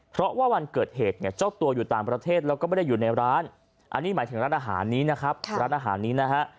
เพราะว่าวันเกิดเหตุเนี่ยเจ้าตัวอยู่ต่างประเทศแล้วก็ไม่ได้อยู่ในร้านอันนี้หมายถึงร้านอาหารนี้นะครับร้านอาหารนี้นะฮะ